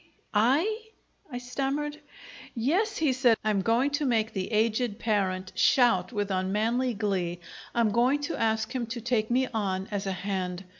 I stammered. "Yes," he said. "I'm going to make the aged parent shout with unmanly glee. I'm going to ask him to take me on as a hand.